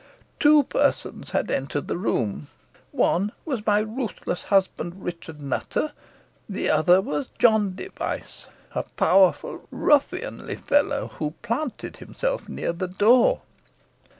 Two persons had entered the room. One was my ruthless husband, Richard Nutter; the other was John Device, a powerful ruffianly fellow, who planted himself near the door.